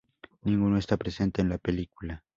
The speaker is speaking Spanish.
Ninguno está presente en la película.